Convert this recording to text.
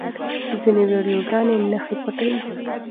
ځینې ویډیوګانې نښې پټوي.